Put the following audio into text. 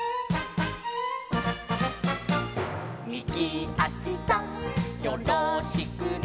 「みぎあしさんよろしくね」